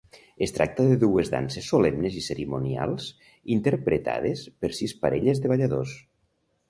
Es tracta de dues danses solemnes i cerimonials interpretades per sis parelles de balladors.